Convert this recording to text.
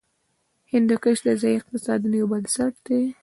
هندوکش د ځایي اقتصادونو یو بنسټ دی.